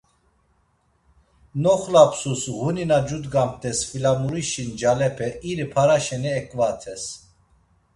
Noxlapsus ğuni na cudgamt̆es flamurişi ncalepe iri para şeni eǩvates.